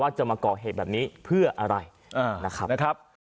จะมาก่อเหตุแบบนี้เพื่ออะไรนะครับ